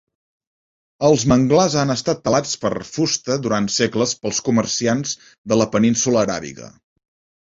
Els manglars han estat talats per fusta durant segles pels comerciants de la Península Aràbiga.